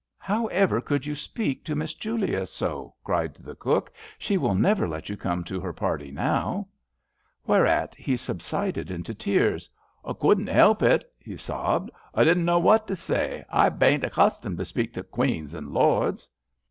" However could you speak to Miss Julia so ?" cried the cook, " she will never let you come to her party now." 72 4. LITTLE mW Whereat he subsided into tears. *M couldn't help it," he sobbed, "I didn't know what to say. I baint accustomed to speak to Queens and Lords."